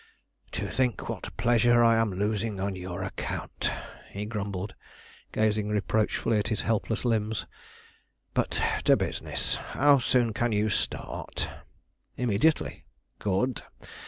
"To think what pleasure I am losing on your account!" he grumbled, gazing reproachfully at his helpless limbs. "But to business. How soon can you start?" "Immediately." "Good!